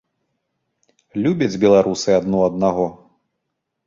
Любяць беларусы адно аднаго!